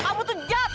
kamu itu jahat